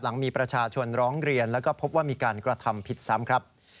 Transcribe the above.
หลังมีประชาชนร้องเรียนแล้วก็พบว่ามีการกระทำผิดซ้ำครับ